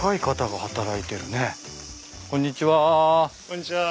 こんにちは。